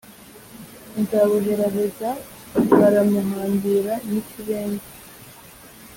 Nzabuheraheza baramuhambira n’ikiremve